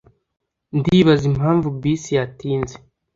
Ndibaza impamvu bisi yatinze.